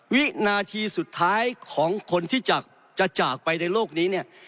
วินาทีสุดท้ายของคนที่จะจากไปในโลกนี้เนี่ย